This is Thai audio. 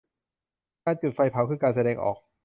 การจุดไฟเผา คือการแสดงออก